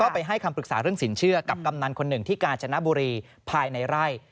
ไปให้คำปรึกษาเรื่องสินเชื่อกับกำนันคนหนึ่งที่กาญจนบุรีภายในไร่